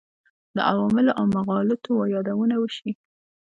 د عواملو او مغالطو یادونه وشي.